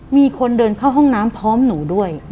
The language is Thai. มีคนเดินเข้าห้องน้ำพร้อมหนูด้วย